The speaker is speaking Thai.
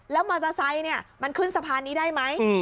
แล้วมอเตอร์ไซค์มันขึ้นสะพานนี้ได้ไหม